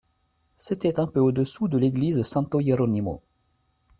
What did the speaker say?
C’était un peu au-dessous de l’église santo-Hieronimo.